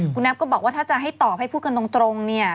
คุณแอฟก็บอกว่าถ้าจะให้ตอบให้พูดกันตรงเนี่ย